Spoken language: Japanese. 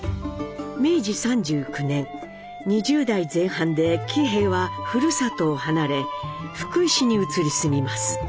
明治３９年２０代前半で喜兵衛はふるさとを離れ福井市に移り住みます。